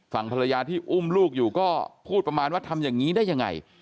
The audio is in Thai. ฝั่งภรรยาที่อุ้มลูกอยู่ก็พูดประมาณว่าทำอย่างนี้ได้ยังไง